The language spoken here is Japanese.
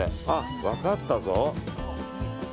あ、分かったぞ。